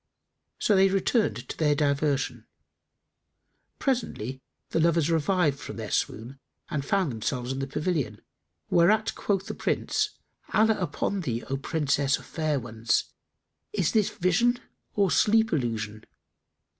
So they returned to their diversion. Presently the lovers revived from their swoon and found themselves in the pavilion, whereat quoth the Prince, "Allah upon thee, O Princess of fair ones, is this vision or sleep illusion?"